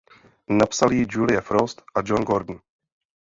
Napsal ji Julie Frost a John Gordon.